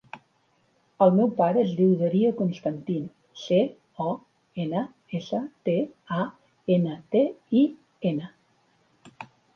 El meu pare es diu Dario Constantin: ce, o, ena, essa, te, a, ena, te, i, ena.